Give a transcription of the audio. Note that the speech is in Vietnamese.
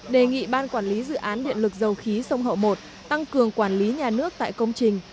đề nghị ban quản lý dự án điện lực dầu khí sông hậu một tăng cường quản lý nhà nước tại công trình